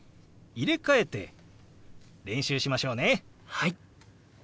はい！